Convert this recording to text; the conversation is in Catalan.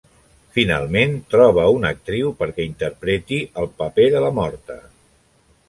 Finalment, troba una actriu perquè interpreti el paper de la morta.